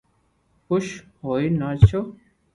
خوݾ ھئين ناچيو